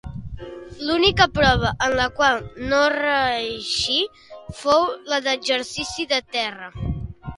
L'única prova en la qual no reeixí fou la d'exercici de terra.